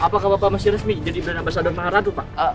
apakah bapak masih resmi jadi badan basah dari maharatu pak